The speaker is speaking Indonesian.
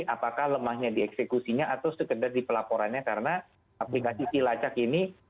apakah lemahnya dieksekusinya atau sekedar di pelaporannya karena aplikasi silacak ini